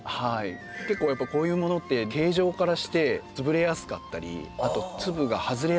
結構やっぱこういうものって形状からして潰れやすかったりあと粒が外れやすかったりとかですね